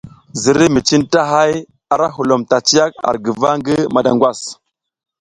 Ziriy mi cintahay arahulom tatiyak ar guva ngi madangwas.